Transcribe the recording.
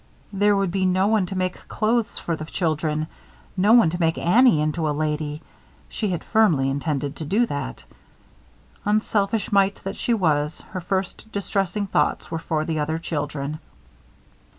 There would be no one to make clothes for the children, no one to make Annie into a lady she had firmly intended to do that. Unselfish mite that she was, her first distressing thoughts were for the other children.